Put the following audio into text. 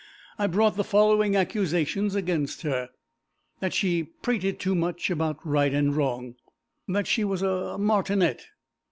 I brought the following accusations against her: That she prated too much about right and wrong. That she was a martinet.